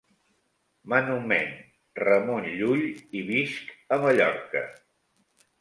M'anomèn Ramon Llull i visc a Mallorca.